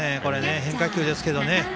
変化球ですけどね。